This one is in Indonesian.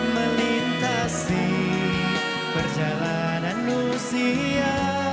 melintasi perjalanan usia